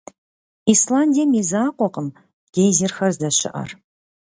Исландием и закъуэкъым гейзерхэр здэщыӀэр.